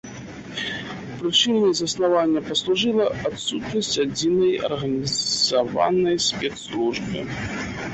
Прычынай заснавання паслужыла адсутнасць адзінай арганізаванай спецслужбы.